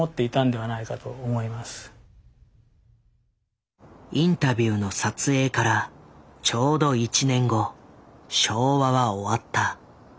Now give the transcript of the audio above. やっぱり父の口からインタビューの撮影からちょうど１年後昭和は終わった。